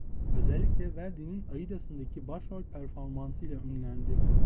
Özellikle Verdi'nin "Aida'sındaki" başrol performansıyla ünlendi.